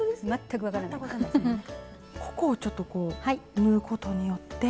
ここをちょっとこう縫うことによって。